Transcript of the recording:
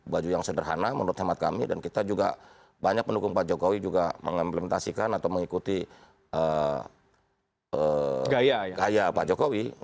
baju yang sederhana menurut hemat kami dan kita juga banyak pendukung pak jokowi juga mengimplementasikan atau mengikuti gaya pak jokowi